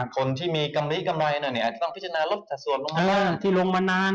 คนที่มีกำลัยเนี่ยก็ต้องพิจารณาลดสัดส่วนลงมามาก